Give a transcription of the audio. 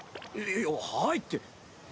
いや「はい」って。